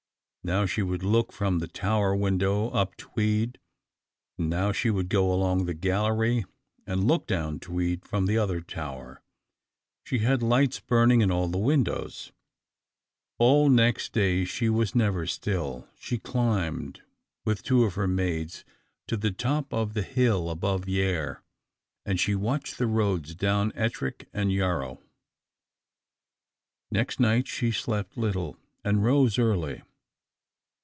Now she would look from the tower window up Tweed; and now she would go along the gallery and look down Tweed from the other tower. She had lights burning in all the windows. All next day she was never still. She climbed, with two of her maids, to the top of the hill above Yair, on the other side of the river, and she watched the roads down Ettrick and Yarrow. Next night she slept little, and rose early.